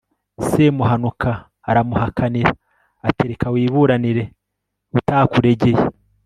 semuhanuka aramuhakanira ati reka wiburanire utakuregeye